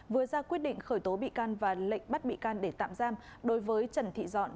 vừa ra quyết định khởi tố bị can và lệnh bắt bị can để tạm giam đối với trần thị giọn